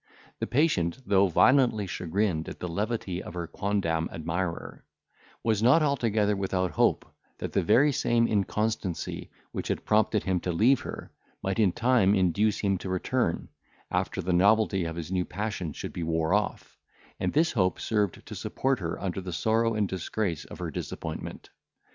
The patient, though violently chagrined at the levity of her quondam admirer, was not altogether without hope, that the very same inconstancy which had prompted him to leave her, might in time induce him to return, after the novelty of his new passion should be wore off; and this hope served to support her under the sorrow and disgrace of her disappointment.